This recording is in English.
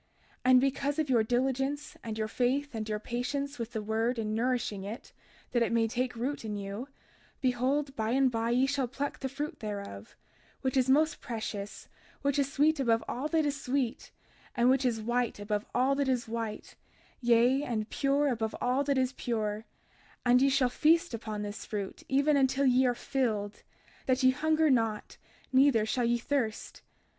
32:42 And because of your diligence and your faith and your patience with the word in nourishing it, that it may take root in you, behold, by and by ye shall pluck the fruit thereof, which is most precious, which is sweet above all that is sweet, and which is white above all that is white, yea, and pure above all that is pure; and ye shall feast upon this fruit even until ye are filled, that ye hunger not, neither shall ye thirst.